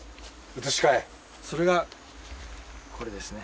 それがこれですね。